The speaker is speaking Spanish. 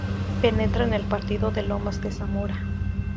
Penetra en el Partido de Lomas de Zamora.